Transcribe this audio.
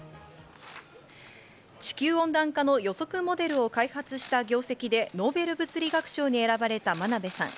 地球温暖化の予測モデルを開発した業績でノーベル物理学賞に選ばれた真鍋さん。